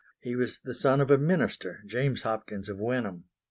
He was the son of a minister, James Hopkins of Wenham.